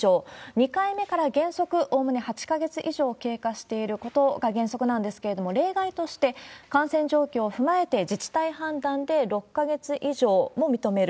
２回目から原則おおむね８か月以上経過していることが原則なんですけれども、例外として、感染状況を踏まえて自治体判断で６か月以上も認める。